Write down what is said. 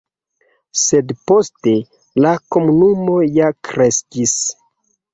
Sed poste la komunumo ja kreskis.